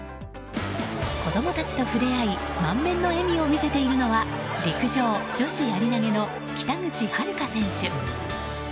子供たちとふれあい満面の笑顔を見せているのは陸上女子やり投げの北口榛花選手。